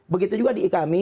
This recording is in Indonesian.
begitu juga di ikmi